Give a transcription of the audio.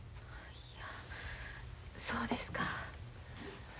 いやそうですか。